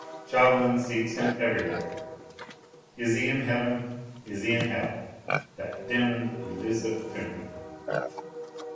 Chauvelin seeks him everywhere! Is he in heaven? Is he in hell? That demmed, elusive Pimpernel!"